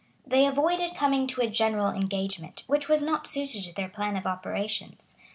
They avoided coming to a general engagement, which was not suited to their plan of operations.